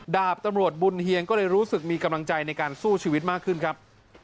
ดาบตำรวจบุญเฮียงก็เลยรู้สึกมีกำลังใจในการสู้ชีวิตมากขึ้นครับ